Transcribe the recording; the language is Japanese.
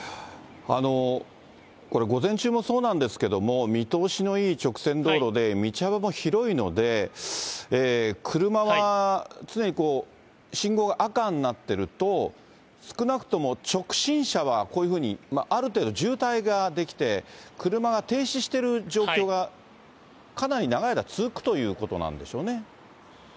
これ、午前中もそうなんですけれども、見通しのいい直線道路で、道幅も広いので、車は常に信号が赤になってると、少なくとも直進車はこういうふうにある程度、渋滞が出来て、車が停止してる状況がかなり長い間続くということなんでしょうね。